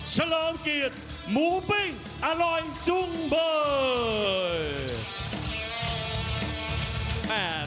เฉลิมเกียรติหมูปิ้งอร่อยจุ่มเบอร์